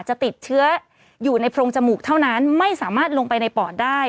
จะติดเชื้ออยู่ในโพรงจมูกเท่านั้นไม่สามารถลงไปในปอดได้